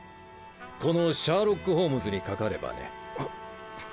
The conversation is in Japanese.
このシャーロック・ホームズにかかればね。